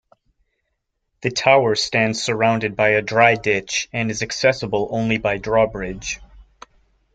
The tower stands surrounded by a dry-ditch and is accessible only by draw-bridge.